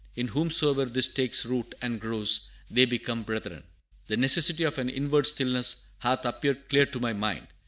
In whomsoever this takes root and grows, they become brethren." "The necessity of an inward stillness hath appeared clear to my mind.